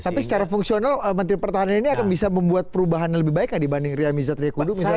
tapi secara fungsional menteri pertahanan ini akan bisa membuat perubahan yang lebih baik gak dibanding ria miza triakudu misalnya